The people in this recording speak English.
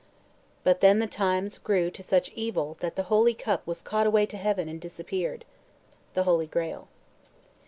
"But then the times Grew to such evil that the Holy cup Was caught away to heaven and disappear'd." The Holy Grail.